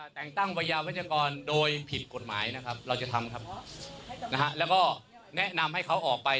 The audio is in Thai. แต่งตั้งวัยยาวัชกรโดยผิดกฎหมายนะครับเราจะทำครับนะฮะแล้วก็แนะนำให้เขาออกไป